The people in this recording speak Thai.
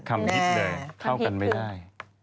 คำฮิตเลยเข้ากันไม่ได้